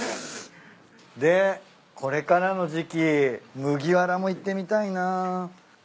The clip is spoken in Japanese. でこれからの時季麦わらもいってみたいな。